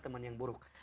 teman yang buruk